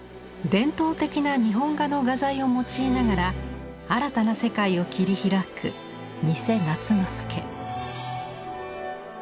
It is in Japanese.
伝統的な日本画の画材を用いながら新たな世界を切り開く三瀬夏之介。